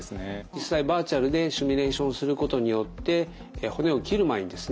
実際バーチャルでシミュレーションすることによって骨を切る前にですね